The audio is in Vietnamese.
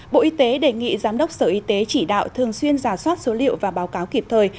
bộ y tế đề nghị giám đốc sở y tế chỉ đạo thường xuyên giả soát số liệu và báo cáo kịp thời